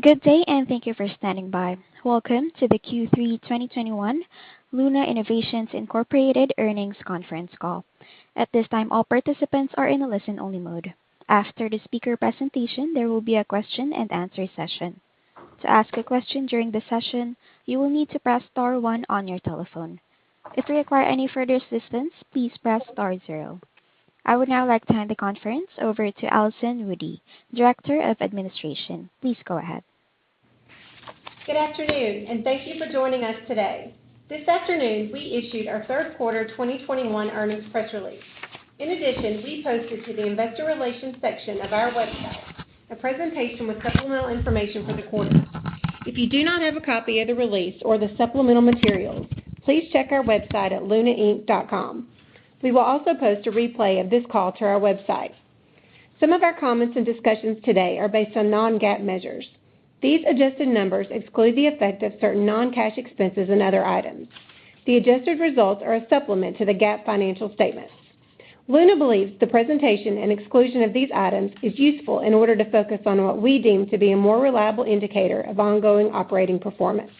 Good day and thank you for standing by. Welcome to the Q3 2021 Luna Innovations Incorporated Earnings Conference Call. At this time, all participants are in a listen-only mode. After the speaker presentation, there will be a question and answer session. To ask a question during the session, you will need to press star one on your telephone. If you require any further assistance, please press star zero. I would now like to hand the conference over to Allison Woody, Director of Administration. Please go ahead. Good afternoon and thank you for joining us today. This afternoon we issued our third quarter 2021 earnings press release. In addition, we posted to the investor relations section of our website a presentation with supplemental information for the quarter. If you do not have a copy of the release or the supplemental materials, please check our website at lunainc.com. We will also post a replay of this call to our website. Some of our comments and discussions today are based on non-GAAP measures. These adjusted numbers exclude the effect of certain non-cash expenses and other items. The adjusted results are a supplement to the GAAP financial statements. Luna believes the presentation and exclusion of these items is useful in order to focus on what we deem to be a more reliable indicator of ongoing operating performance.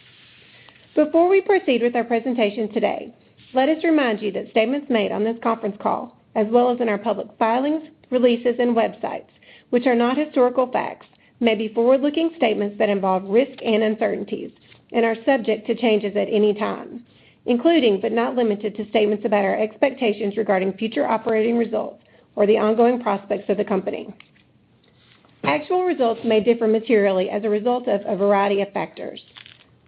Before we proceed with our presentation today, let us remind you that statements made on this conference call as well as in our public filings, releases and websites, which are not historical facts, may be forward-looking statements that involve risks and uncertainties and are subject to changes at any time, including but not limited to statements about our expectations regarding future operating results or the ongoing prospects of the company. Actual results may differ materially as a result of a variety of factors.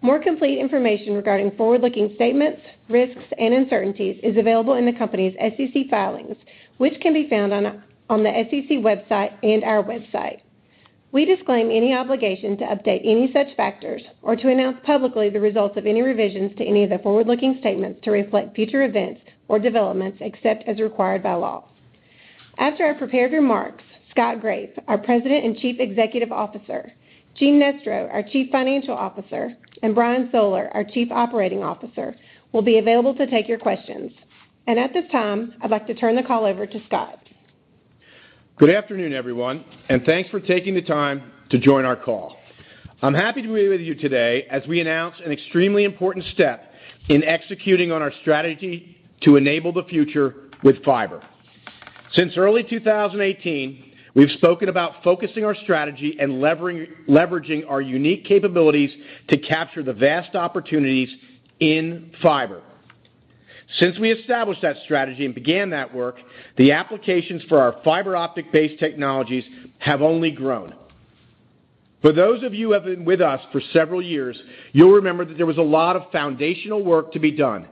More complete information regarding forward-looking statements, risks and uncertainties is available in the company's SEC filings, which can be found on the SEC website and our website. We disclaim any obligation to update any such factors or to announce publicly the results of any revisions to any of the forward-looking statements to reflect future events or developments, except as required by law. After our prepared remarks, Scott Graeff, our President and Chief Executive Officer, Gene Nestro, our Chief Financial Officer, and Brian Soller, our Chief Operating Officer, will be available to take your questions. At this time, I'd like to turn the call over to Scott. Good afternoon, everyone, and thanks for taking the time to join our call. I'm happy to be with you today as we announce an extremely important step in executing on our strategy to enable the future with fiber. Since early 2018, we've spoken about focusing our strategy and leveraging our unique capabilities to capture the vast opportunities in fiber. Since we established that strategy and began that work, the applications for our fiber optic-based technologies have only grown. For those of you who have been with us for several years, you'll remember that there was a lot of foundational work to be done.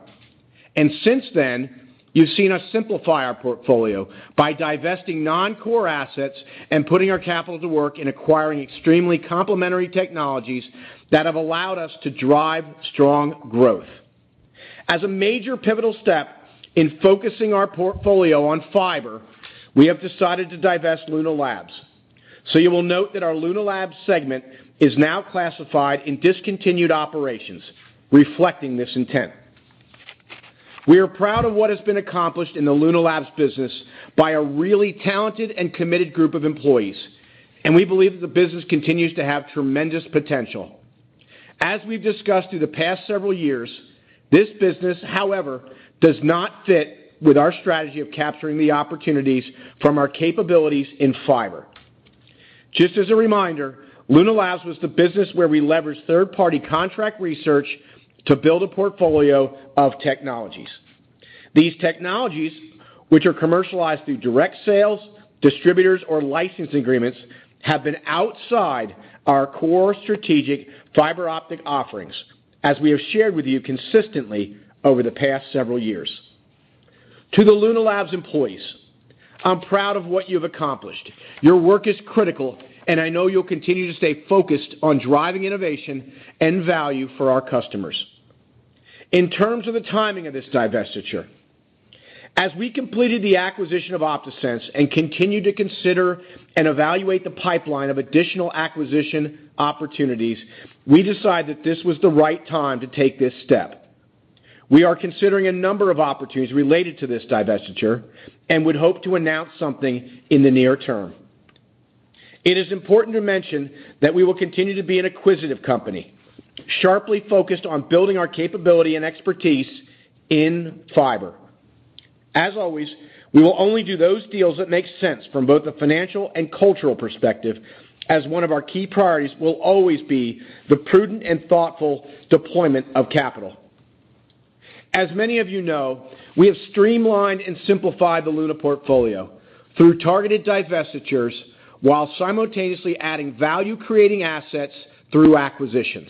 Since then, you've seen us simplify our portfolio by divesting non-core assets and putting our capital to work in acquiring extremely complementary technologies that have allowed us to drive strong growth. As a major pivotal step in focusing our portfolio on fiber, we have decided to divest Luna Labs. You will note that our Luna Labs segment is now classified in discontinued operations, reflecting this intent. We are proud of what has been accomplished in the Luna Labs business by a really talented and committed group of employees, and we believe that the business continues to have tremendous potential. As we've discussed through the past several years, this business, however, does not fit with our strategy of capturing the opportunities from our capabilities in fiber. Just as a reminder, Luna Labs was the business where we leveraged third-party contract research to build a portfolio of technologies. These technologies, which are commercialized through direct sales, distributors or licensing agreements, have been outside our core strategic fiber optic offerings, as we have shared with you consistently over the past several years. To the Luna Labs employees, I'm proud of what you've accomplished. Your work is critical, and I know you'll continue to stay focused on driving innovation and value for our customers. In terms of the timing of this divestiture, as we completed the acquisition of OptaSense and continue to consider and evaluate the pipeline of additional acquisition opportunities, we decided that this was the right time to take this step. We are considering a number of opportunities related to this divestiture and would hope to announce something in the near term. It is important to mention that we will continue to be an acquisitive company, sharply focused on building our capability and expertise in fiber. As always, we will only do those deals that make sense from both a financial and cultural perspective, as one of our key priorities will always be the prudent and thoughtful deployment of capital. As many of you know, we have streamlined and simplified the Luna portfolio through targeted divestitures while simultaneously adding value-creating assets through acquisitions.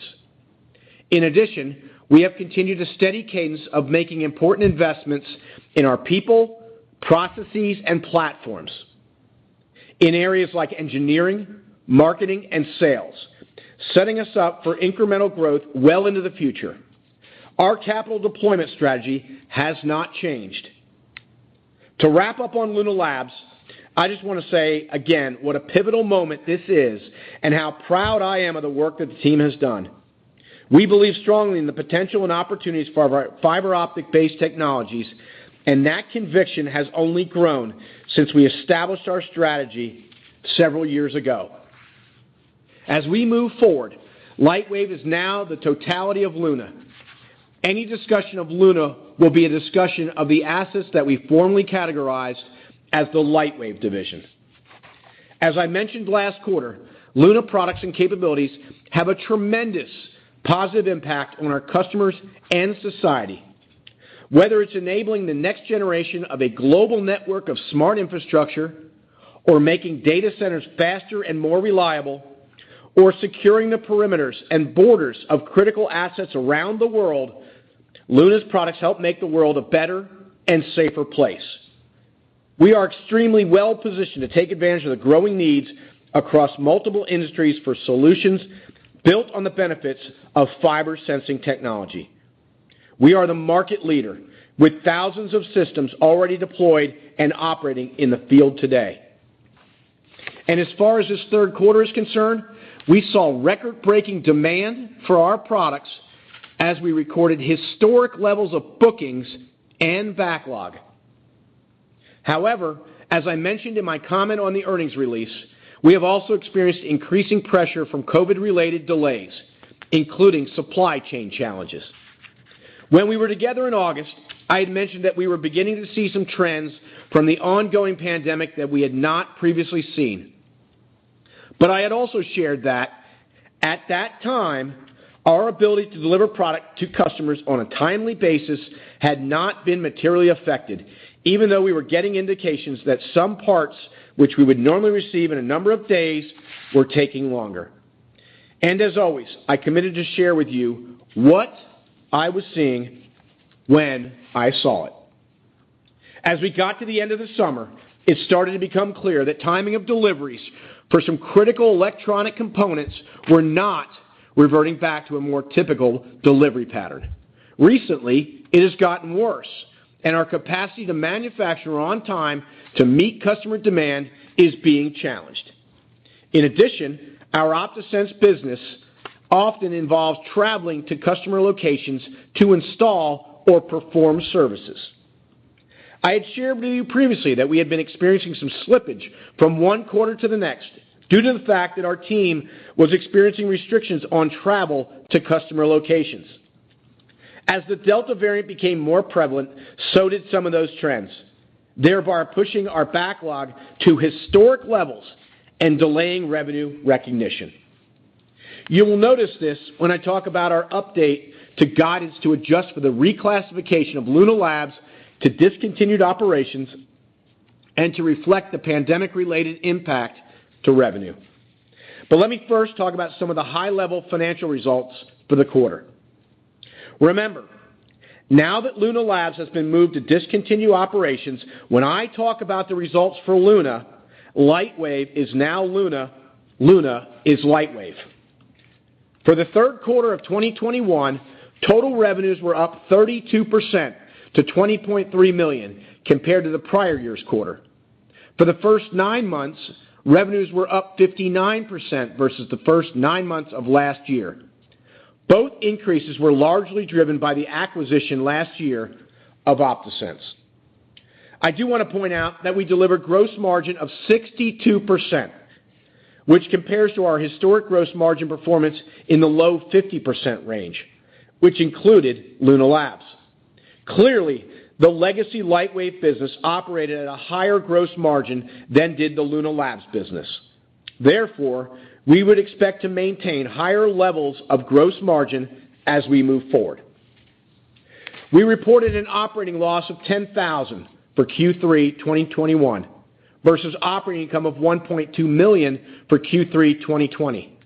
In addition, we have continued a steady cadence of making important investments in our people, processes, and platforms in areas like engineering, marketing, and sales, setting us up for incremental growth well into the future. Our capital deployment strategy has not changed. To wrap up on Luna Labs, I just want to say again what a pivotal moment this is and how proud I am of the work that the team has done. We believe strongly in the potential and opportunities for our fiber optic-based technologies, and that conviction has only grown since we established our strategy several years ago. As we move forward, Lightwave is now the totality of Luna. Any discussion of Luna will be a discussion of the assets that we formerly categorized as the Lightwave division. As I mentioned last quarter, Luna products and capabilities have a tremendous positive impact on our customers and society. Whether it's enabling the next generation of a global network of smart infrastructure or making data centers faster and more reliable or securing the perimeters and borders of critical assets around the world, Luna's products help make the world a better and safer place. We are extremely well-positioned to take advantage of the growing needs across multiple industries for solutions built on the benefits of fiber sensing technology. We are the market leader with thousands of systems already deployed and operating in the field today. As far as this third quarter is concerned, we saw record-breaking demand for our products as we recorded historic levels of bookings and backlog. However, as I mentioned in my comment on the earnings release, we have also experienced increasing pressure from COVID-related delays, including supply chain challenges. When we were together in August, I had mentioned that we were beginning to see some trends from the ongoing pandemic that we had not previously seen. But I had also shared that at that time, our ability to deliver product to customers on a timely basis had not been materially affected, even though we were getting indications that some parts which we would normally receive in a number of days were taking longer. As always, I committed to share with you what I was seeing when I saw it. As we got to the end of the summer, it started to become clear that timing of deliveries for some critical electronic components were not reverting back to a more typical delivery pattern. Recently, it has gotten worse, and our capacity to manufacture on time to meet customer demand is being challenged. In addition, our OptaSense business often involves traveling to customer locations to install or perform services. I had shared with you previously that we had been experiencing some slippage from one quarter to the next due to the fact that our team was experiencing restrictions on travel to customer locations. As the Delta variant became more prevalent, so did some of those trends, thereby pushing our backlog to historic levels and delaying revenue recognition. You will notice this when I talk about our update to guidance to adjust for the reclassification of Luna Labs to discontinued operations and to reflect the pandemic-related impact to revenue. Let me first talk about some of the high-level financial results for the quarter. Remember, now that Luna Labs has been moved to discontinue operations, when I talk about the results for Luna, Lightwave is now Luna is Lightwave. For the third quarter of 2021, total revenues were up 32% to $20.3 million compared to the prior year's quarter. For the first nine months, revenues were up 59% versus the first nine months of last year. Both increases were largely driven by the acquisition last year of OptaSense. I do wanna point out that we delivered gross margin of 62%, which compares to our historic gross margin performance in the low 50% range, which included Luna Labs. Clearly, the legacy Lightwave business operated at a higher gross margin than did the Luna Labs business. Therefore, we would expect to maintain higher levels of gross margin as we move forward. We reported an operating loss of $10,000 for Q3 2021 versus operating income of $1.2 million for Q3 2020.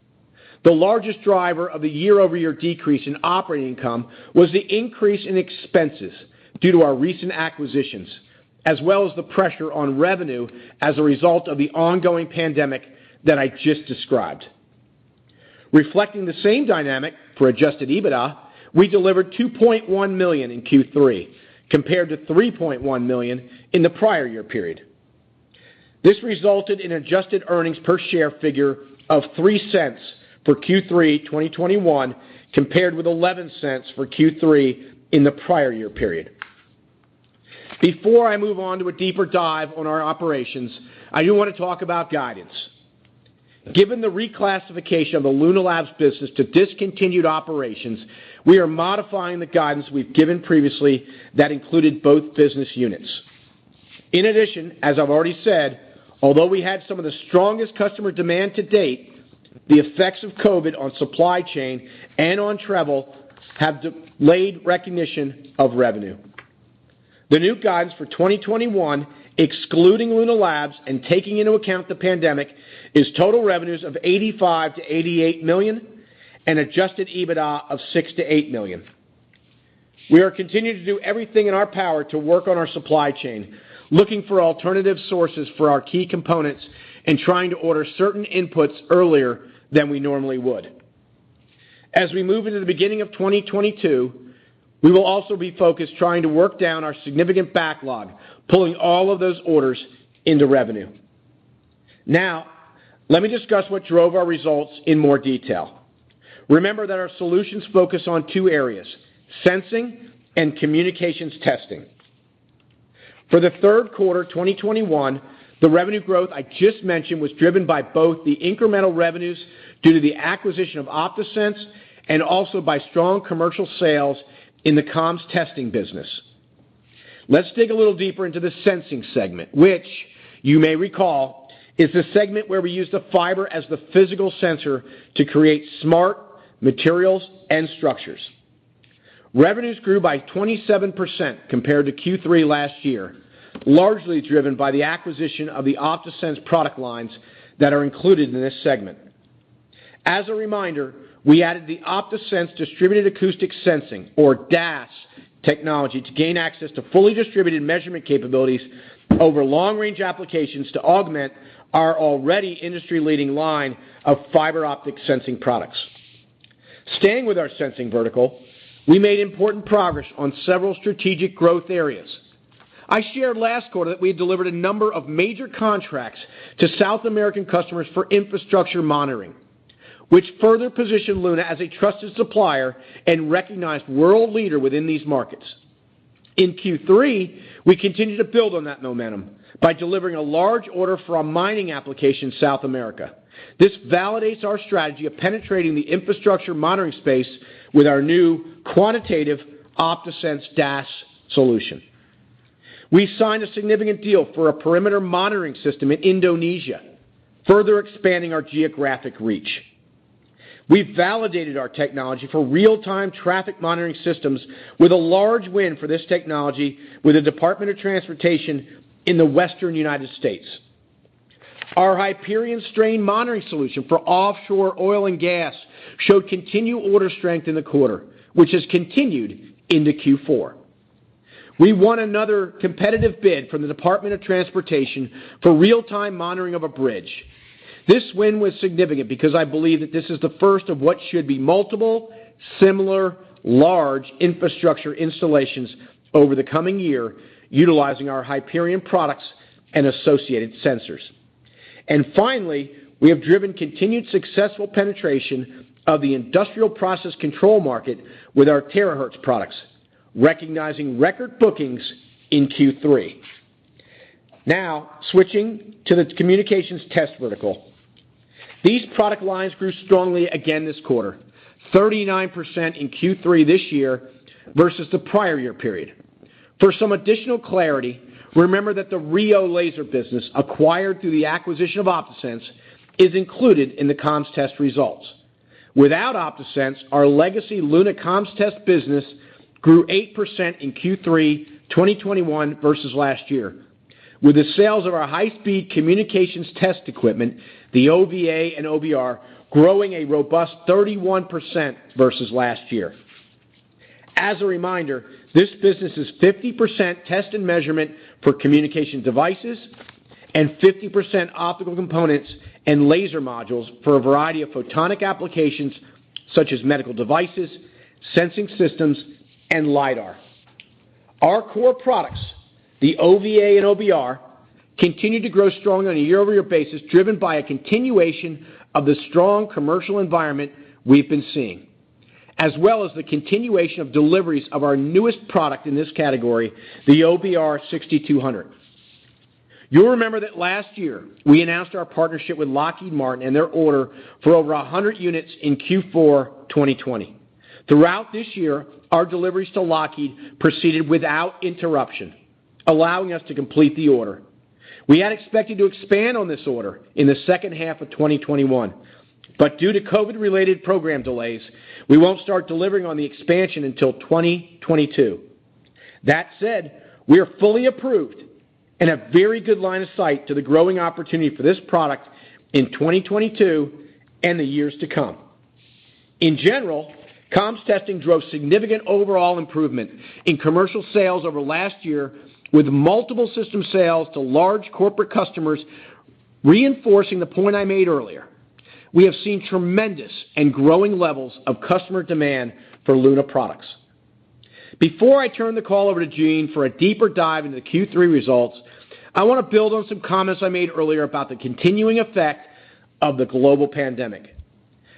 The largest driver of the year-over-year decrease in operating income was the increase in expenses due to our recent acquisitions, as well as the pressure on revenue as a result of the ongoing pandemic that I just described. Reflecting the same dynamic for adjusted EBITDA, we delivered $2.1 million in Q3 compared to $3.1 million in the prior year period. This resulted in adjusted earnings per share figure of $0.03 for Q3 2021 compared with $0.11 for Q3 in the prior year period. Before I move on to a deeper dive on our operations, I do wanna talk about guidance. Given the reclassification of the Luna Labs business to discontinued operations, we are modifying the guidance we've given previously that included both business units. In addition, as I've already said, although we had some of the strongest customer demand to date, the effects of COVID on supply chain and on travel have delayed recognition of revenue. The new guidance for 2021, excluding Luna Labs and taking into account the pandemic, is total revenues of $85-$88 million and adjusted EBITDA of $6-$8 million. We are continuing to do everything in our power to work on our supply chain, looking for alternative sources for our key components, and trying to order certain inputs earlier than we normally would. As we move into the beginning of 2022, we will also be focused trying to work down our significant backlog, pulling all of those orders into revenue. Now, let me discuss what drove our results in more detail. Remember that our solutions focus on two areas, sensing and communications testing. For the third quarter 2021, the revenue growth I just mentioned was driven by both the incremental revenues due to the acquisition of OptaSense and also by strong commercial sales in the comms testing business. Let's dig a little deeper into the sensing segment, which you may recall is the segment where we use the fiber as the physical sensor to create smart materials and structures. Revenues grew by 27% compared to Q3 last year, largely driven by the acquisition of the OptaSense product lines that are included in this segment. As a reminder, we added the OptaSense Distributed Acoustic Sensing, or DAS, technology to gain access to fully distributed measurement capabilities over long-range applications to augment our already industry-leading line of fiber optic sensing products. Staying with our sensing vertical, we made important progress on several strategic growth areas. I shared last quarter that we had delivered a number of major contracts to South American customers for infrastructure monitoring, which further positioned Luna as a trusted supplier and recognized world leader within these markets. In Q3, we continued to build on that momentum by delivering a large order for a mining application in South America. This validates our strategy of penetrating the infrastructure monitoring space with our new quantitative OptaSense DAS solution. We signed a significant deal for a perimeter monitoring system in Indonesia, further expanding our geographic reach. We validated our technology for real-time traffic monitoring systems with a large win for this technology with the Department of Transportation in the Western United States. Our Hyperion strain monitoring solution for offshore oil and gas showed continued order strength in the quarter, which has continued into Q4. We won another competitive bid from the Department of Transportation for real-time monitoring of a bridge. This win was significant because I believe that this is the first of what should be multiple, similar, large infrastructure installations over the coming year utilizing our Hyperion products and associated sensors. Finally, we have driven continued successful penetration of the industrial process control market with our Terahertz products, recognizing record bookings in Q3. Now, switching to the communications test vertical. These product lines grew strongly again this quarter, 39% in Q3 this year versus the prior year period. For some additional clarity, remember that the RIO Laser business acquired through the acquisition of OptaSense is included in the comms test results. Without OptaSense, our legacy Luna comms test business grew 8% in Q3 2021 versus last year, with the sales of our high-speed communications test equipment, the OVA and OBR, growing a robust 31% versus last year. As a reminder, this business is 50% test and measurement for communication devices and 50% optical components and laser modules for a variety of photonic applications such as medical devices, sensing systems, and LiDAR. Our core products, the OVA and OBR, continue to grow strongly on a year-over-year basis driven by a continuation of the strong commercial environment we've been seeing, as well as the continuation of deliveries of our newest product in this category, the OBR 6200. You'll remember that last year we announced our partnership with Lockheed Martin and their order for over 100 units in Q4 2020. Throughout this year, our deliveries to Lockheed proceeded without interruption, allowing us to complete the order. We had expected to expand on this order in the second half of 2021, but due to COVID-related program delays, we won't start delivering on the expansion until 2022. That said, we are fully approved and have very good line of sight to the growing opportunity for this product in 2022 and the years to come. In general, comms testing drove significant overall improvement in commercial sales over last year with multiple system sales to large corporate customers reinforcing the point I made earlier. We have seen tremendous and growing levels of customer demand for Luna products. Before I turn the call over to Gene for a deeper dive into the Q3 results, I want to build on some comments I made earlier about the continuing effect of the global pandemic.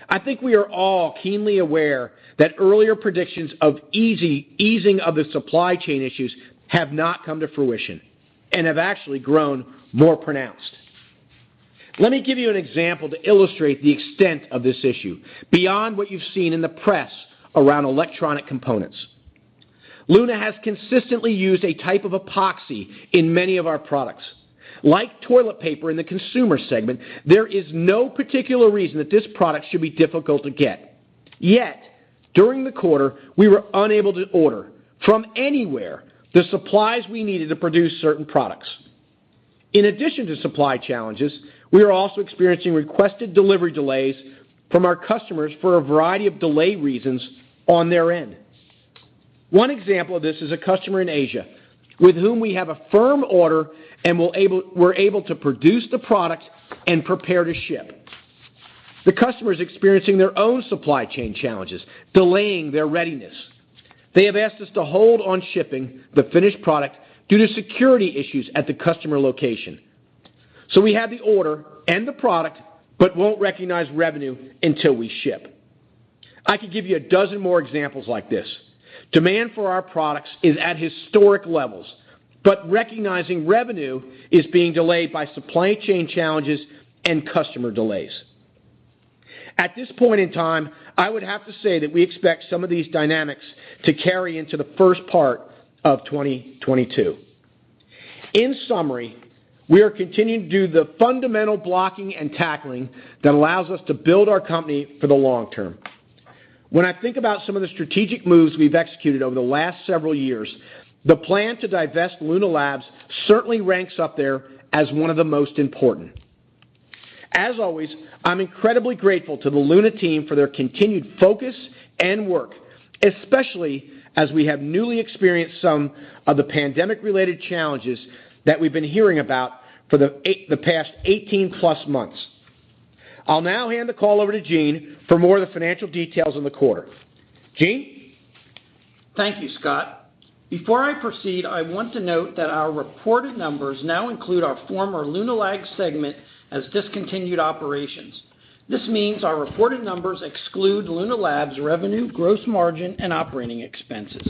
I think we are all keenly aware that earlier predictions of easing of the supply chain issues have not come to fruition and have actually grown more pronounced. Let me give you an example to illustrate the extent of this issue beyond what you've seen in the press around electronic components. Luna has consistently used a type of epoxy in many of our products. Like toilet paper in the consumer segment, there is no particular reason that this product should be difficult to get. Yet, during the quarter, we were unable to order from anywhere the supplies we needed to produce certain products. In addition to supply challenges, we are also experiencing requested delivery delays from our customers for a variety of delay reasons on their end. One example of this is a customer in Asia with whom we have a firm order and we're able to produce the product and prepare to ship. The customer is experiencing their own supply chain challenges, delaying their readiness. They have asked us to hold on shipping the finished product due to security issues at the customer location. We have the order and the product, but won't recognize revenue until we ship. I could give you a dozen more examples like this. Demand for our products is at historic levels, but recognizing revenue is being delayed by supply chain challenges and customer delays. At this point in time, I would have to say that we expect some of these dynamics to carry into the first part of 2022. In summary, we are continuing to do the fundamental blocking and tackling that allows us to build our company for the long term. When I think about some of the strategic moves we've executed over the last several years, the plan to divest Luna Labs certainly ranks up there as one of the most important. As always, I'm incredibly grateful to the Luna team for their continued focus and work, especially as we have newly experienced some of the pandemic-related challenges that we've been hearing about for the past eighteen-plus months. I'll now hand the call over to Gene for more of the financial details on the quarter. Gene? Thank you, Scott. Before I proceed, I want to note that our reported numbers now include our former Luna Labs segment as discontinued operations. This means our reported numbers exclude Luna Labs' revenue, gross margin, and operating expenses.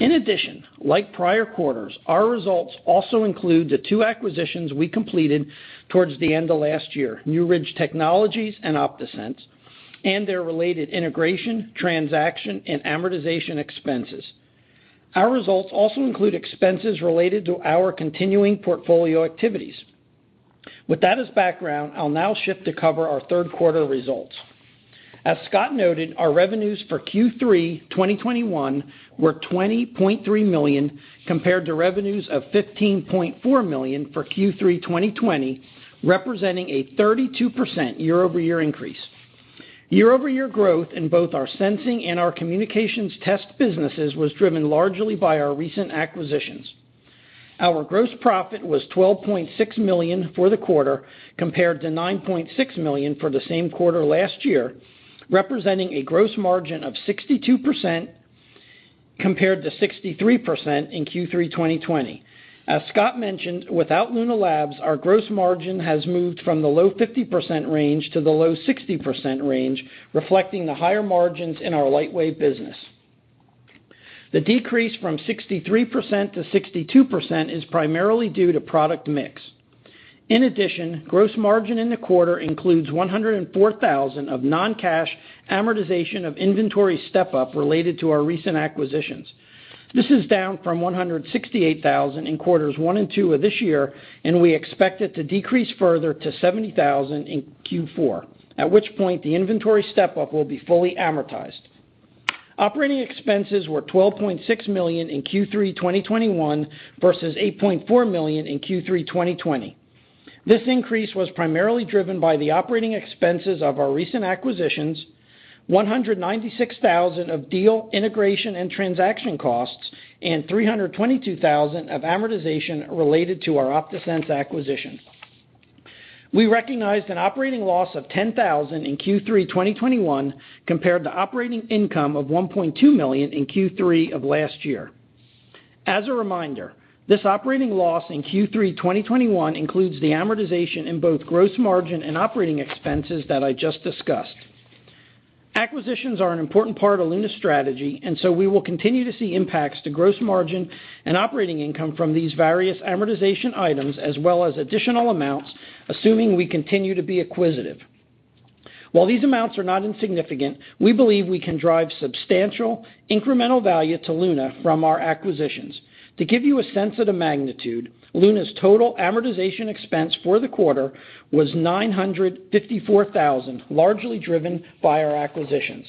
In addition, like prior quarters, our results also include the two acquisitions we completed towards the end of last year, New Ridge Technologies and OptaSense, and their related integration, transaction, and amortization expenses. Our results also include expenses related to our continuing portfolio activities. With that as background, I'll now shift to cover our third quarter results. As Scott noted, our revenues for Q3 2021 were $20.3 million, compared to revenues of $15.4 million for Q3 2020, representing a 32% year-over-year increase. Year-over-year growth in both our sensing and our communications test businesses was driven largely by our recent acquisitions. Our gross profit was $12.6 million for the quarter, compared to $9.6 million for the same quarter last year, representing a gross margin of 62% compared to 63% in Q3 2020. As Scott mentioned, without Luna Labs, our gross margin has moved from the low 50% range to the low 60% range, reflecting the higher margins in our Lightwave business. The decrease from 63% to 62% is primarily due to product mix. In addition, gross margin in the quarter includes $104,000 of non-cash amortization of inventory step-up related to our recent acquisitions. This is down from $168,000 in quarters one and two of this year, and we expect it to decrease further to $70,000 in Q4, at which point the inventory step-up will be fully amortized. Operating expenses were $12.6 million in Q3 2021 versus $8.4 million in Q3 2020. This increase was primarily driven by the operating expenses of our recent acquisitions, $196,000 of deal integration and transaction costs, and $322,000 of amortization related to our OptaSense acquisition. We recognized an operating loss of $10,000 in Q3 2021 compared to operating income of $1.2 million in Q3 of last year. As a reminder, this operating loss in Q3 2021 includes the amortization in both gross margin and operating expenses that I just discussed. Acquisitions are an important part of Luna's strategy, and so we will continue to see impacts to gross margin and operating income from these various amortization items as well as additional amounts, assuming we continue to be acquisitive. While these amounts are not insignificant, we believe we can drive substantial incremental value to Luna from our acquisitions. To give you a sense of the magnitude, Luna's total amortization expense for the quarter was $954 thousand, largely driven by our acquisitions.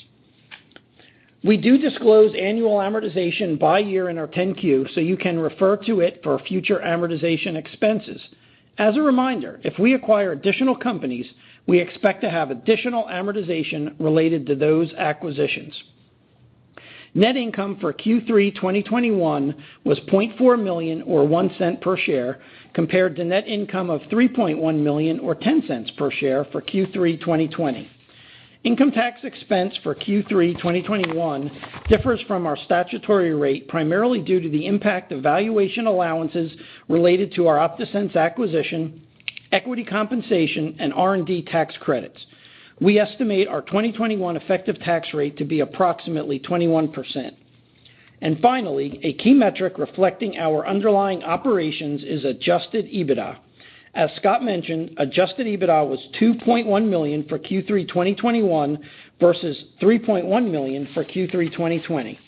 We do disclose annual amortization by year in our 10-Q, so you can refer to it for future amortization expenses. As a reminder, if we acquire additional companies, we expect to have additional amortization related to those acquisitions. Net income for Q3 2021 was $0.4 million, or $0.01 per share, compared to net income of $3.1 million, or $0.10 per share, for Q3 2020. Income tax expense for Q3 2021 differs from our statutory rate primarily due to the impact of valuation allowances related to our OptaSense acquisition, equity compensation, and R&D tax credits. We estimate our 2021 effective tax rate to be approximately 21%. Finally, a key metric reflecting our underlying operations is adjusted EBITDA. As Scott mentioned, adjusted EBITDA was $2.1 million for Q3 2021 versus $3.1 million for Q3 2020.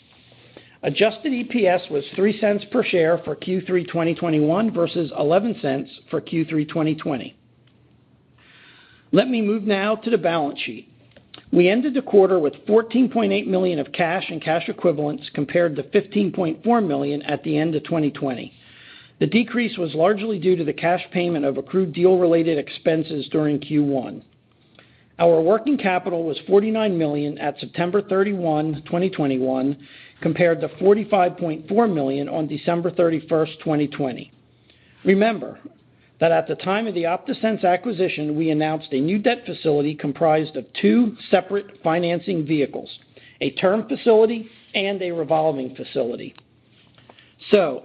Adjusted EPS was $0.03 per share for Q3 2021 versus $0.11 per share for Q3 2020. Let me move now to the balance sheet. We ended the quarter with $14.8 million of cash and cash equivalents compared to $15.4 million at the end of 2020. The decrease was largely due to the cash payment of accrued deal-related expenses during Q1. Our working capital was $49 million at September 31, 2021, compared to $45.4 million on December 31, 2020. Remember that at the time of the OptaSense acquisition, we announced a new debt facility comprised of two separate financing vehicles, a term facility and a revolving facility.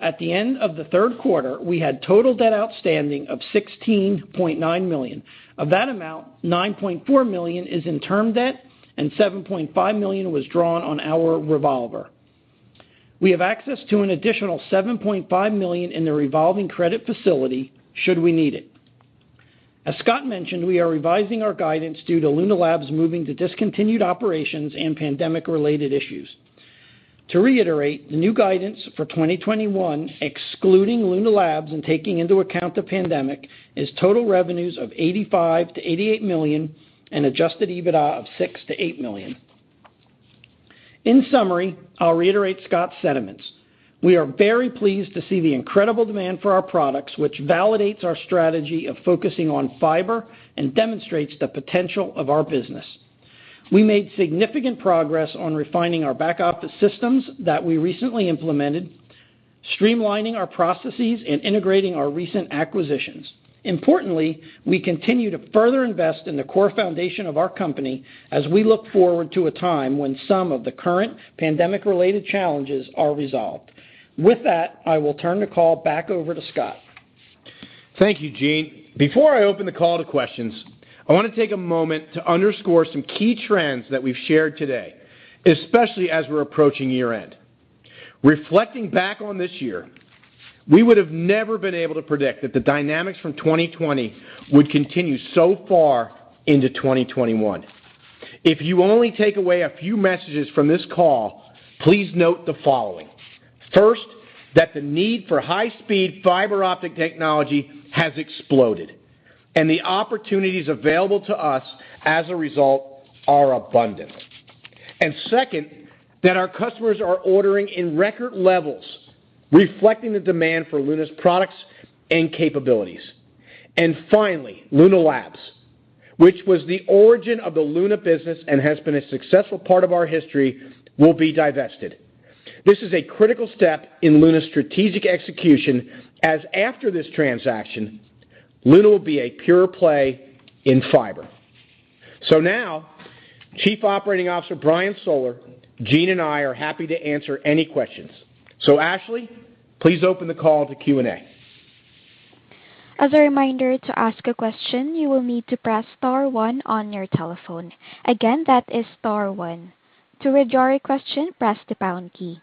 At the end of the third quarter, we had total debt outstanding of $16.9 million. Of that amount, $9.4 million is in term debt, and $7.5 million was drawn on our revolver. We have access to an additional $7.5 million in the revolving credit facility should we need it. As Scott mentioned, we are revising our guidance due to Luna Labs moving to discontinued operations and pandemic-related issues. To reiterate, the new guidance for 2021, excluding Luna Labs and taking into account the pandemic, is total revenues of $85-$88 million and adjusted EBITDA of $6-$8 million. In summary, I'll reiterate Scott's sentiments. We are very pleased to see the incredible demand for our products, which validates our strategy of focusing on fiber and demonstrates the potential of our business. We made significant progress on refining our back office systems that we recently implemented, streamlining our processes, and integrating our recent acquisitions. Importantly, we continue to further invest in the core foundation of our company as we look forward to a time when some of the current pandemic-related challenges are resolved. With that, I will turn the call back over to Scott. Thank you, Gene. Before I open the call to questions, I want to take a moment to underscore some key trends that we've shared today, especially as we're approaching year-end. Reflecting back on this year, we would have never been able to predict that the dynamics from 2020 would continue so far into 2021. If you only take away a few messages from this call, please note the following. First, that the need for high-speed fiber optic technology has exploded, and the opportunities available to us as a result are abundant. Second, that our customers are ordering in record levels, reflecting the demand for Luna's products and capabilities. Finally, Luna Labs, which was the origin of the Luna business and has been a successful part of our history, will be divested. This is a critical step in Luna's strategic execution, as after this transaction, Luna will be a pure play in fiber. Now, Chief Operating Officer Brian Soller, Gene, and I are happy to answer any questions. Ashley, please open the call to Q&A. As a reminder, to ask a question, you will need to press star one on your telephone. Again, that is star one. To withdraw your question, press the pound key.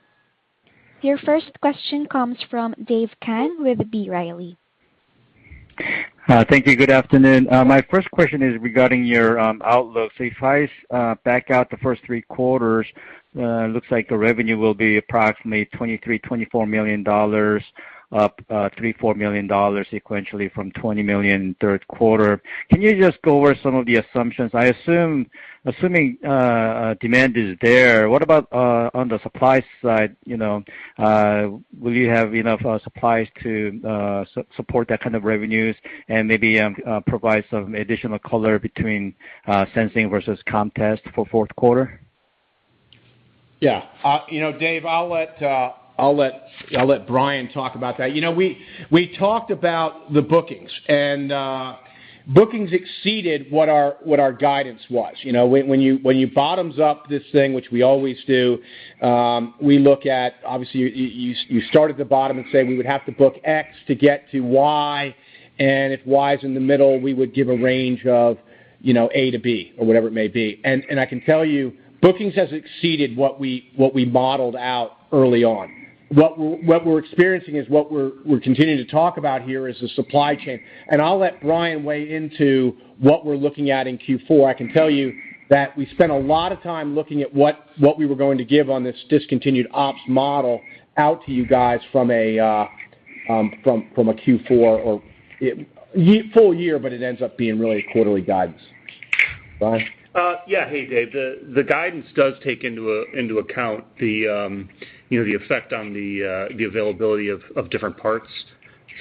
Your first question comes from Dave Kang with B. Riley. Thank you. Good afternoon. My first question is regarding your outlook. If I back out the first three quarters, it looks like the revenue will be approximately $23-$24 million, up $3-$4 million sequentially from $20 million third quarter. Can you just go over some of the assumptions? I assume demand is there, what about on the supply side, you know, will you have enough supplies to support that kind of revenues? And maybe provide some additional color between sensing versus com test for fourth quarter. Yeah. You know, Dave, I'll let Brian talk about that. You know, we talked about the bookings, and bookings exceeded what our guidance was. You know, when you bottoms up this thing, which we always do, we look at, obviously, you start at the bottom and say, we would have to book X to get to Y. If Y is in the middle, we would give a range of, you know, A to B or whatever it may be. I can tell you, bookings has exceeded what we modeled out early on. What we're experiencing is what we're continuing to talk about here is the supply chain. I'll let Brian weigh into what we're looking at in Q4. I can tell you that we spent a lot of time looking at what we were going to give on this discontinued ops model out to you guys from a Q4 or full year, but it ends up being really quarterly guidance. Brian? Yeah. Hey, Dave. The guidance does take into account, you know, the effect on the availability of different parts.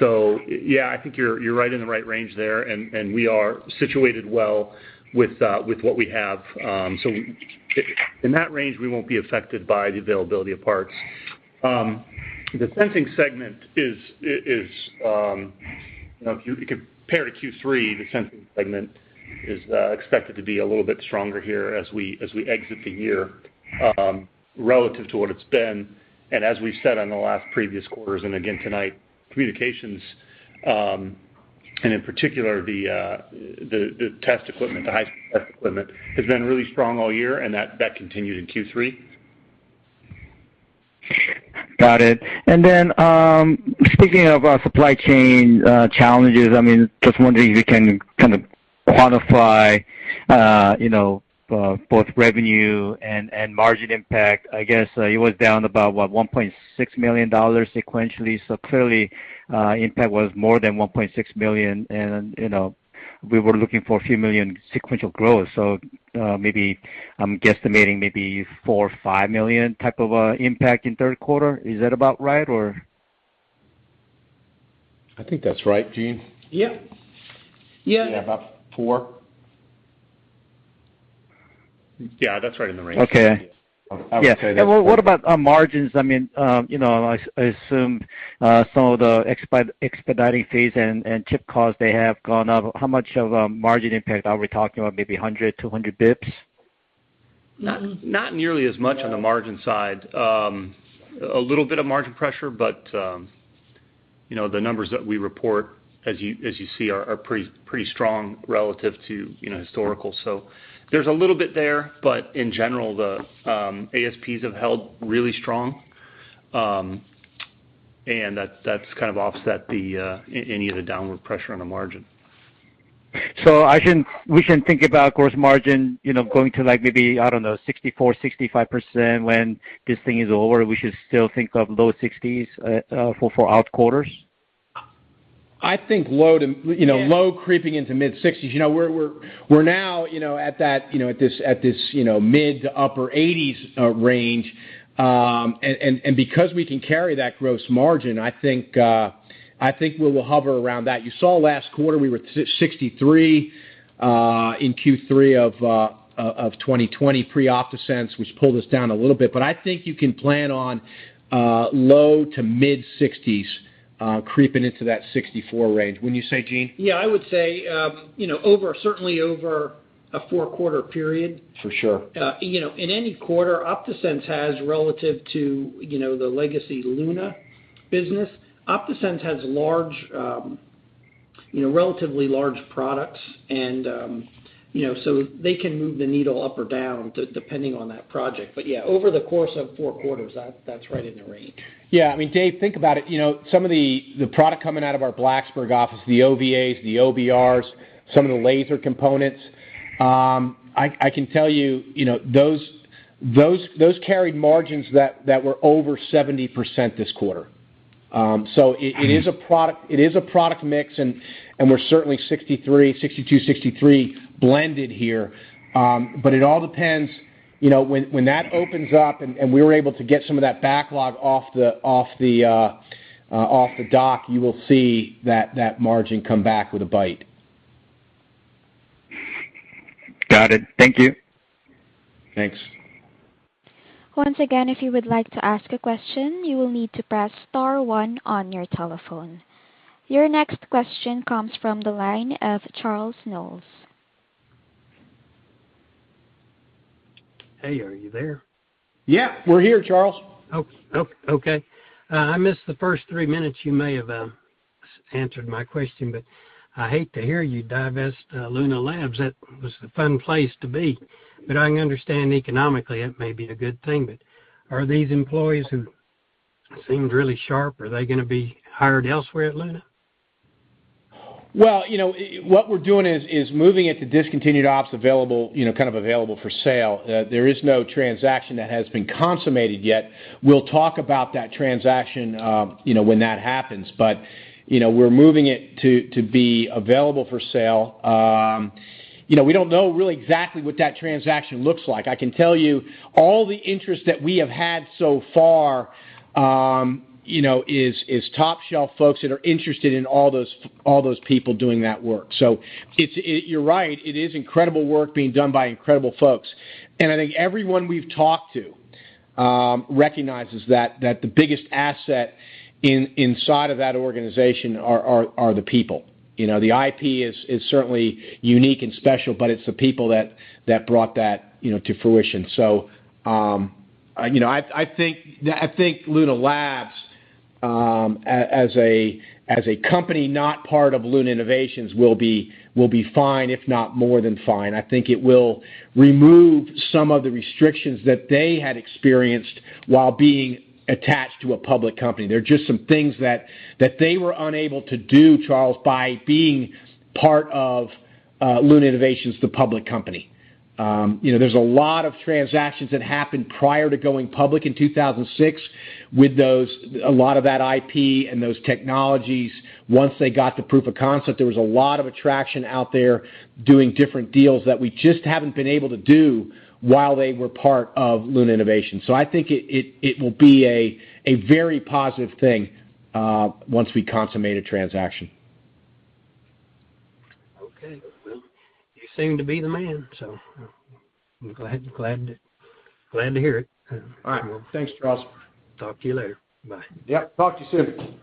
Yeah, I think you're right in the right range there, and we are situated well with what we have. In that range, we won't be affected by the availability of parts. The Sensing segment is, you know, if you compare to Q3, the Sensing segment is expected to be a little bit stronger here as we exit the year relative to what it's been. As we said on the last previous quarters, and again tonight, Communications, and in particular, the test equipment, the high-end test equipment, has been really strong all year, and that continued in Q3. Got it. Then, speaking of supply chain challenges, I mean, just wondering if you can kind of quantify, you know, both revenue and margin impact. I guess it was down about $1.6 million sequentially. Clearly, impact was more than $1.6 million. You know, we were looking for a few million sequential growth. Maybe I'm guesstimating $4-$5 million type of impact in third quarter. Is that about right? I think that's right. Gene? Yeah. Yeah. About four. Yeah, that's right in the range. Okay. Yeah. Yes. What about margins? I mean, you know, I assume some of the expediting fees and chip costs, they have gone up. How much of a margin impact are we talking about? Maybe 100-200 basis points? Not nearly as much on the margin side. A little bit of margin pressure, but you know, the numbers that we report, as you see, are pretty strong relative to you know, historical. There's a little bit there, but in general, the ASPs have held really strong. That's kind of offset any of the downward pressure on the margin. We shouldn't think about gross margin, you know, going to like maybe, I don't know, 64%-65% when this thing is over. We should still think of low 60s for our quarters? I think low to you know, low-60s creeping into mid-60s. You know, we're now, you know, at that, you know, at this, you know, mid- to upper 80s% range. And because we can carry that gross margin, I think we will hover around that. You saw last quarter we were 63% in Q3 of 2020 pre OptaSense, which pulled us down a little bit. I think you can plan on low- to mid-60s% creeping into that 64% range. Wouldn't you say, Gene? Yeah. I would say, you know, over certainly over a four-quarter period. For sure. You know, in any quarter, OptaSense has relative to, you know, the legacy Luna business. OptaSense has large, you know, relatively large products and, you know, so they can move the needle up or down depending on that project. Yeah, over the course of four quarters, that's right in the range. Yeah. I mean, Dave, think about it. You know, some of the product coming out of our Blacksburg office, the OVAs, the OBRs, some of the laser components, I can tell you know, those carried margins that were over 70% this quarter. So it is a product mix and we're certainly 63, 62, 63 blended here. But it all depends, you know, when that opens up and we were able to get some of that backlog off the dock, you will see that margin come back with a bite. Got it. Thank you. Thanks. Your next question comes from the line of Charles Knowles. Hey, are you there? Yeah, we're here, Charles. Oh, okay. I missed the first three minutes. You may have answered my question, but I hate to hear you divest Luna Labs. That was a fun place to be. I can understand economically it may be a good thing, but are these employees who seemed really sharp, are they gonna be hired elsewhere at Luna? Well, you know, what we're doing is moving it to discontinued ops available, you know, kind of available for sale. There is no transaction that has been consummated yet. We'll talk about that transaction, you know, when that happens. You know, we're moving it to be available for sale. You know, we don't know really exactly what that transaction looks like. I can tell you all the interest that we have had so far, you know, is top-shelf folks that are interested in all those people doing that work. So it's. You're right. It is incredible work being done by incredible folks. I think everyone we've talked to recognizes that the biggest asset inside of that organization are the people. You know, the IP is certainly unique and special, but it's the people that brought that, you know, to fruition. You know, I think Luna Labs, as a company not part of Luna Innovations will be fine, if not more than fine. I think it will remove some of the restrictions that they had experienced while being attached to a public company. There are just some things that they were unable to do, Charles, by being part of Luna Innovations, the public company. You know, there's a lot of transactions that happened prior to going public in 2006 with those, a lot of that IP and those technologies. Once they got the proof of concept, there was a lot of attraction out there doing different deals that we just haven't been able to do while they were part of Luna Innovations. I think it will be a very positive thing, once we consummate a transaction. Okay. Well, you seem to be the man, so I'm glad to hear it. All right. Thanks, Charles. Talk to you later. Bye. Yep. Talk to you soon.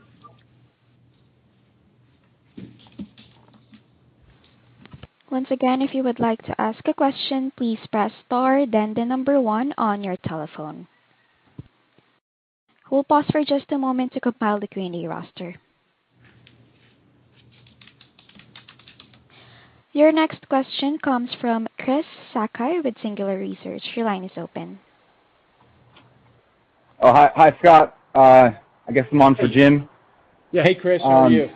Once again, if you would like to ask a question, please press star then the number one on your telephone. We'll pause for just a moment to compile the Q&A roster. Your next question comes from Chris Sakai with Singular Research. Your line is open. Oh, hi. Hi, Scott. I guess I'm on for Jim. Yeah. Hey, Chris. How are you?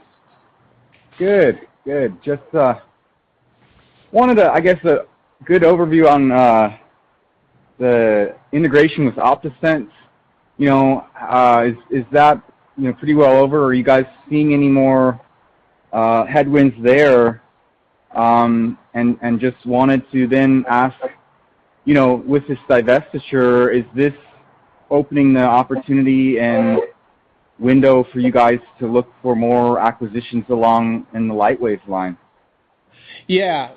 Good. Just wanted a, I guess, a good overview on the integration with OptaSense. You know, is that pretty well over or are you guys seeing any more headwinds there? Just wanted to then ask, you know, with this divestiture, is this opening the opportunity and window for you guys to look for more acquisitions along in the Lightwave line? Yeah.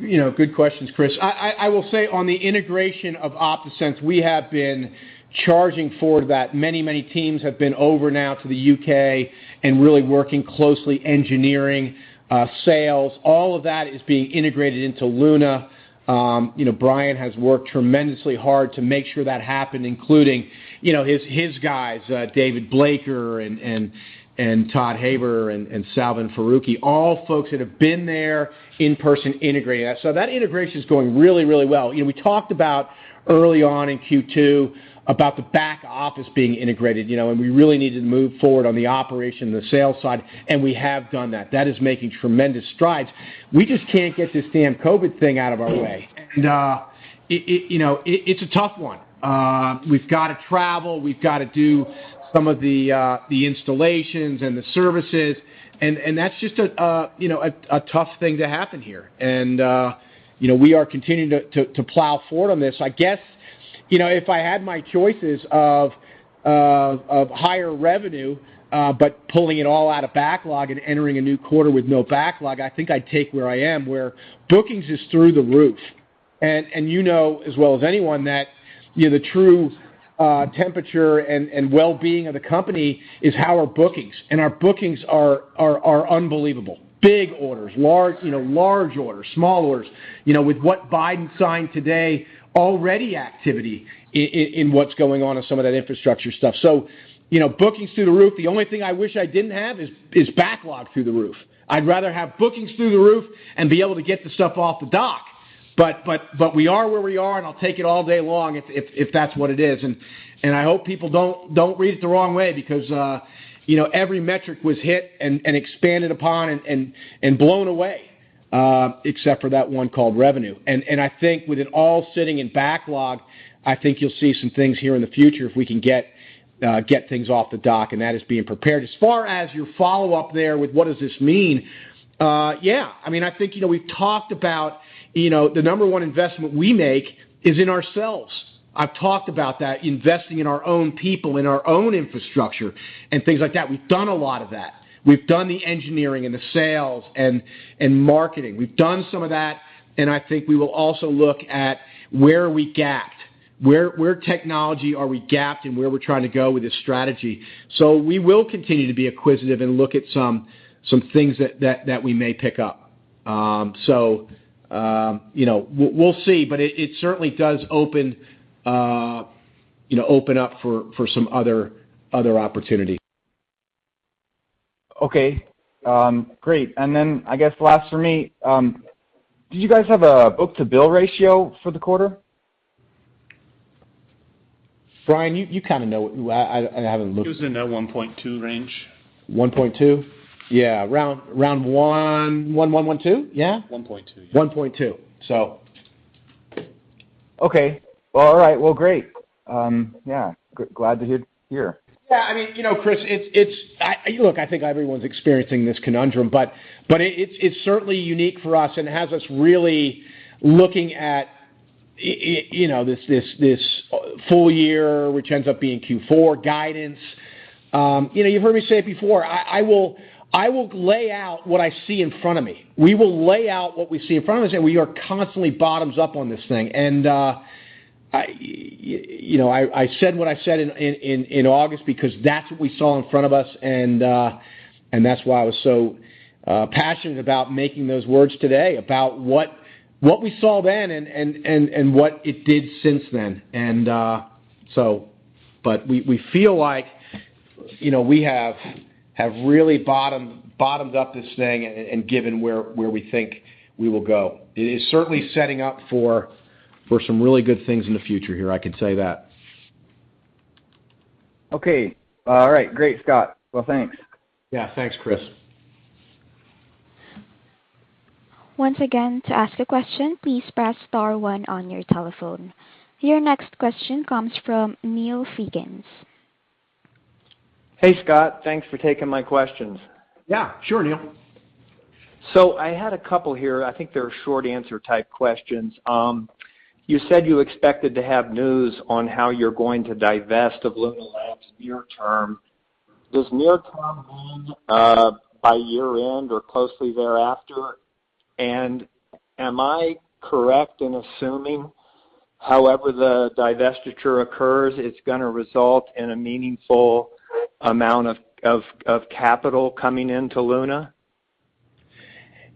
You know, good questions, Chris. I will say on the integration of OptaSense, we have been charging forward that. Many teams have been over now to the U.K. and really working closely, engineering, sales, all of that is being integrated into Luna. You know, Brian has worked tremendously hard to make sure that happened, including, you know, his guys, David Blaker and Todd Haber and Salvan Farooki, all folks that have been there in person integrating that. So that integration is going really well. You know, we talked about early on in Q2 about the back office being integrated, you know, and we really needed to move forward on the operation, the sales side, and we have done that. That is making tremendous strides. We just can't get this damn COVID thing out of our way. You know, it's a tough one. We've gotta travel, we've gotta do some of the the installations and the services, and that's just a you know, a tough thing to happen here. You know, we are continuing to plow forward on this. I guess, you know, if I had my choices of higher revenue, but pulling it all out of backlog and entering a new quarter with no backlog, I think I'd take where I am, where bookings is through the roof. You know as well as anyone that you know, the true temperature and well-being of the company is how our bookings. Our bookings are unbelievable. Big orders, large, you know, small orders, you know, with what Biden signed today, already activity in what's going on in some of that infrastructure stuff. You know, bookings through the roof. The only thing I wish I didn't have is backlog through the roof. I'd rather have bookings through the roof and be able to get the stuff off the dock. We are where we are, and I'll take it all day long if that's what it is. I hope people don't read it the wrong way because, you know, every metric was hit and expanded upon and blown away, except for that one called revenue. I think with it all sitting in backlog, I think you'll see some things here in the future if we can get things off the dock, and that is being prepared. As far as your follow-up there with what does this mean? Yeah. I mean, I think, you know, we've talked about, you know, the number one investment we make is in ourselves. I've talked about that, investing in our own people, in our own infrastructure and things like that. We've done a lot of that. We've done the engineering and the sales and marketing. We've done some of that, and I think we will also look at where are we gapped, where technology are we gapped, and where we're trying to go with this strategy. We will continue to be acquisitive and look at some things that we may pick up. You know, we'll see. It certainly does open up for some other opportunities. Okay. Great. I guess last for me, do you guys have a book-to-bill ratio for the quarter? Brian, you kinda know. I haven't looked. It was in the 1.2 range. 1.2? Yeah. Around 1.1-1.2? Yeah? 1.2. 1.2. Okay. All right. Well, great. Yeah, glad to hear. Yeah. I mean, you know, Chris, it's. Look, I think everyone's experiencing this conundrum, but it's certainly unique for us and has us really looking at you know, this full year, which ends up being Q4 guidance. You know, you've heard me say it before, I will lay out what I see in front of me. We will lay out what we see in front of us, and we are constantly bottoms up on this thing. You know, I said what I said in August because that's what we saw in front of us, and that's why I was so passionate about making those words today about what we saw then and what it did since then. So, we feel like, you know, we have really bottomed up this thing and given where we think we will go. It is certainly setting up for some really good things in the future here, I can say that. Okay. All right. Great, Scott. Well, thanks. Yeah. Thanks, Chris. Your next question comes from Neil Segans. Hey, Scott. Thanks for taking my questions. Yeah. Sure, Neil. I had a couple here. I think they're short answer type questions. You said you expected to have news on how you're going to divest of Luna Labs near term. Does near term mean, by year-end or closely thereafter? And am I correct in assuming however the divestiture occurs, it's gonna result in a meaningful amount of capital coming into Luna?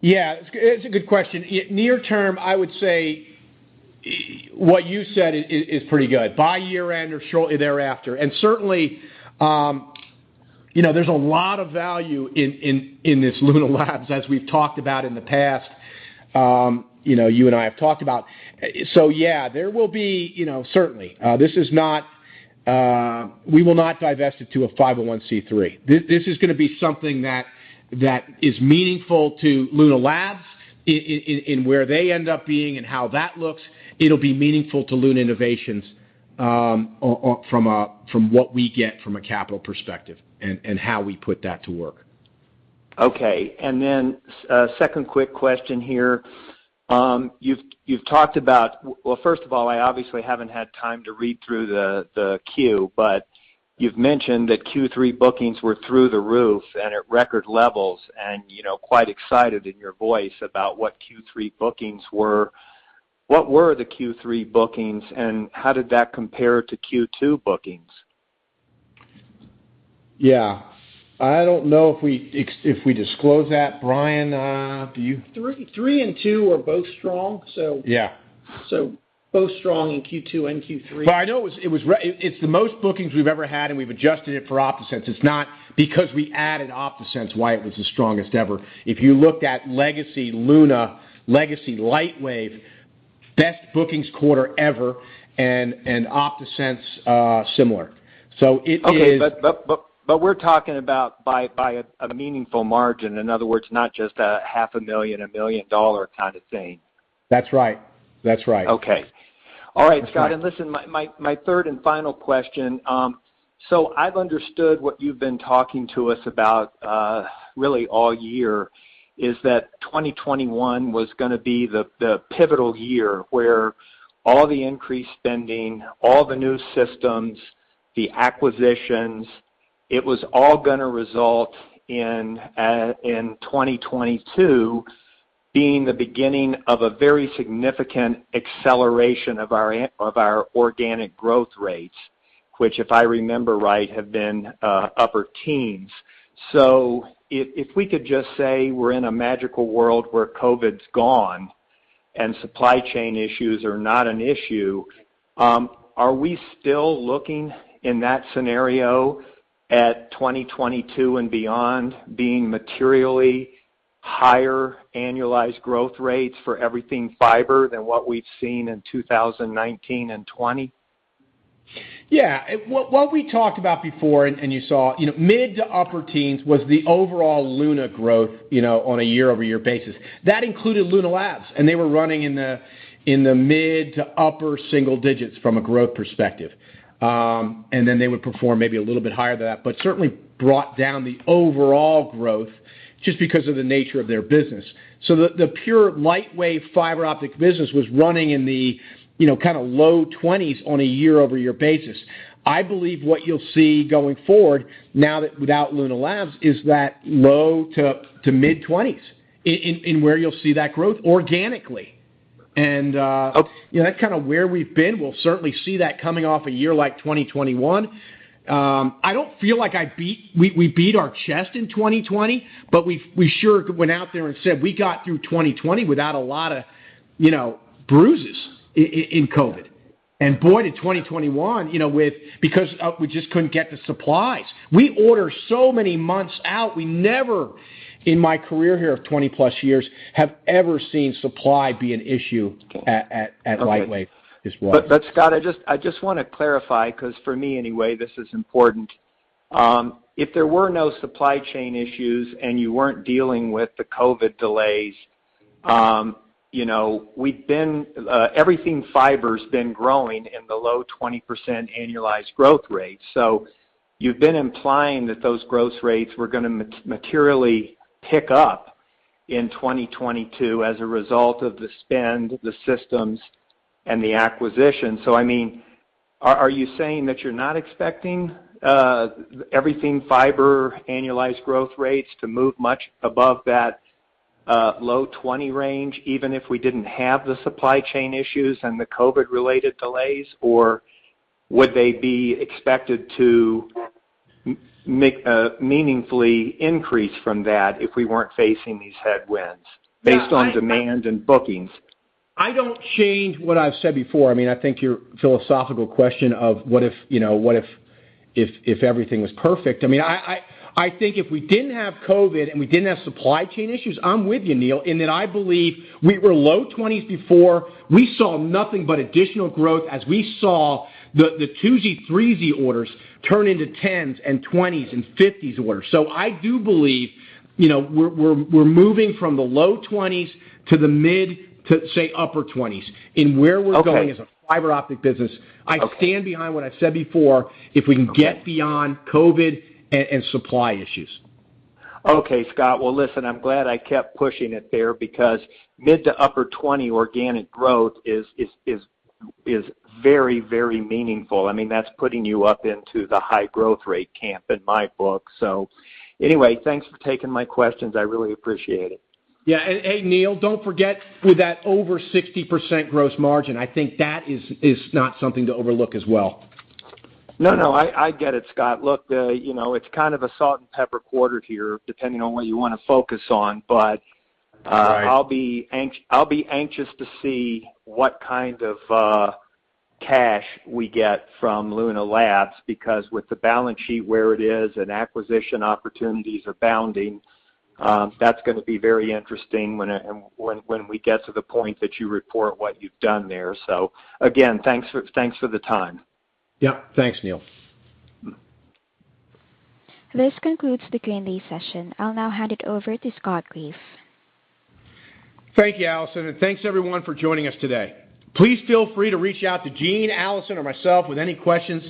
It's a good question. Near term, I would say what you said is pretty good, by year-end or shortly thereafter. Certainly, you know, there's a lot of value in this Luna Labs, as we've talked about in the past, you know, you and I have talked about. Yeah, there will be, you know, certainly. We will not divest it to a 501(c)(3). This is gonna be something that is meaningful to Luna Labs in where they end up being and how that looks. It'll be meaningful to Luna Innovations from what we get from a capital perspective and how we put that to work. Okay. Second quick question here. You've talked about. Well, first of all, I obviously haven't had time to read through the Q, but you've mentioned that Q3 bookings were through the roof and at record levels and, you know, quite excited in your voice about what Q3 bookings were. What were the Q3 bookings, and how did that compare to Q2 bookings? Yeah. I don't know if we disclose that. Brian, do you? Q3 and Q2 are both strong, so. Yeah. Both strong in Q2 and Q3. I know it's the most bookings we've ever had, and we've adjusted it for OptaSense. It's not because we added OptaSense why it was the strongest ever. If you looked at legacy Luna, legacy Lightwave, best bookings quarter ever and OptaSense, similar. It is Okay. We're talking about by a meaningful margin, in other words, not just a half a million, $1 million kind of thing. That's right. That's right. Okay. That's right. All right, Scott. Listen, my third and final question. I've understood what you've been talking to us about, really all year, is that 2021 was gonna be the pivotal year where all the increased speding, all the new systems, the acquisitions, it was all gonna result in 2022 being the beginning of a very significant acceleration of our organic growth rates, which, if I remember right, have been upper teens. If we could just say we're in a magical world where COVID's gone and supply chain issues are not an issue, are we still looking in that scenario at 2022 and beyond being materially higher annualized growth rates for everything fiber than what we've seen in 2019 and 2020? Yeah. What we talked about before, and you saw, you know, mid-to-upper teens was the overall Luna growth, you know, on a year-over-year basis. That included Luna Labs, and they were running in the mid-to-upper single digits from a growth perspective. They would perform maybe a little bit higher than that, but certainly brought down the overall growth just because of the nature of their business. The pure Lightwave fiber optic business was running in the, you know, kinda low 20s on a year-over-year basis. I believe what you'll see going forward now that without Luna Labs is that low-to-mid 20s in where you'll see that growth organically. You know, that's kinda where we've been. We'll certainly see that coming off a year like 2021. We beat our chest in 2020, but we sure went out there and said, we got through 2020 without a lot of, you know, bruises in COVID. Boy, did 2021, you know, because we just couldn't get the supplies. We order so many months out. We never, in my career here of +20 years, have ever seen supply be an issue at Lightwave as well. Scott, I just wanna clarify, 'cause for me anyway, this is important. If there were no supply chain issues and you weren't dealing with the COVID delays, you know, everything fiber's been growing in the low 20% annualized growth rate. You've been implying that those growth rates were gonna materially pick up in 2022 as a result of the spend, the systems, and the acquisition. I mean, are you saying that you're not expecting everything fiber annualized growth rates to move much above that low 20% range, even if we didn't have the supply chain issues and the COVID-related delays? Or would they be expected to make meaningfully increase from that if we weren't facing these headwinds based on demand and bookings? I don't change what I've said before. I mean, I think your philosophical question of what if, you know, if everything was perfect. I mean, I think if we didn't have COVID and we didn't have supply chain issues, I'm with you, Neil, in that I believe we were low 20s before. We saw nothing but additional growth as we saw the 2Z, 3Z orders turn into 10s and 20s and 50s orders. I do believe, you know, we're moving from the low 20s to the mid-to-upper 20s in where we're going as a fiber optic business. Okay. I stand behind what I've said before, if we can get beyond COVID and supply issues. Okay. Scott, well, listen, I'm glad I kept pushing it there because mid-to-upper 20% organic growth is very meaningful. I mean, that's putting you up into the high growth rate camp in my book. Anyway, thanks for taking my questions. I really appreciate it. Yeah. Neil, don't forget with that over 60% gross margin. I think that is not something to overlook as well. No, I get it, Scott. Look, you know, it's kind of a salt and pepper quarter here, depending on what you wanna focus on, but Right. I'll be anxious to see what kind of cash we get from Luna Labs, because with the balance sheet where it is and acquisition opportunities are abounding, that's gonna be very interesting when we get to the point that you report what you've done there. Again, thanks for the time. Yep. Thanks, Neil. This concludes the Q&A session. I'll now hand it over to Scott Graeff. Thank you, Allison, and thanks everyone for joining us today. Please feel free to reach out to Gene, Allison, or myself with any questions,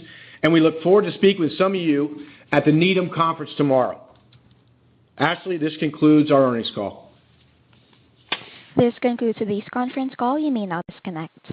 and we look forward to speaking with some of you at the Needham conference tomorrow. Ashley, this concludes our earnings call. This concludes today's conference call. You may now disconnect.